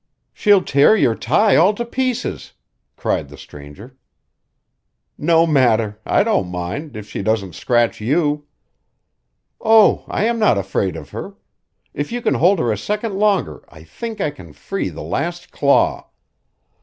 "She'll tear your tie all to pieces," cried the stranger. "No matter. I don't mind, if she doesn't scratch you." "Oh, I am not afraid of her. If you can hold her a second longer, I think I can free the last claw."